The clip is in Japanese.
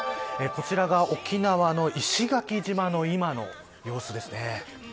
こちらが沖縄の石垣島の今の様子です。